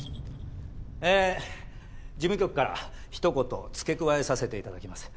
えー事務局からひと言付け加えさせて頂きます。